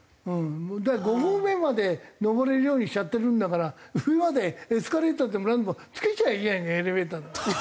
５合目まで登れるようにしちゃってるんだから上までエスカレーターでもなんでもつけちゃえばいいじゃないかエレベーターでも。